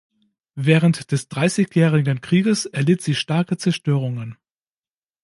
Während des Dreißigjährigen Krieges erlitt sie starke Zerstörungen.